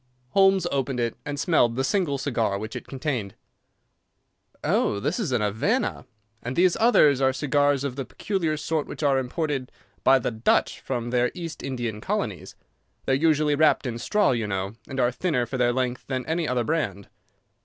Holmes opened it and smelled the single cigar which it contained. "Oh, this is a Havana, and these others are cigars of the peculiar sort which are imported by the Dutch from their East Indian colonies. They are usually wrapped in straw, you know, and are thinner for their length than any other brand."